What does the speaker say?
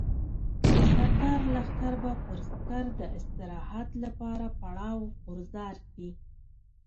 د سردار لښکر به پر سکر د استراحت لپاره پړاو غورځار کړي.